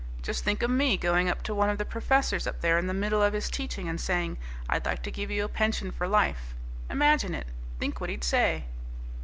Just think of me going up to one of the professors up there in the middle of his teaching and saying; 'I'd like to give you a pension for life!' Imagine it! Think what he'd say!"